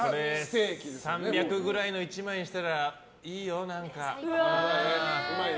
３００ぐらいの１枚にしたらうまいよ。